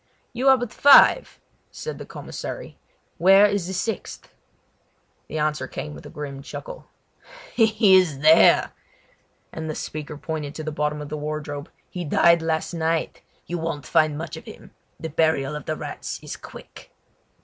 "You are but five," said the commissary; "where is the sixth?" The answer came with a grim chuckle. "He is there!" and the speaker pointed to the bottom of the wardrobe. "He died last night. You won't find much of him. The burial of the rats is quick!"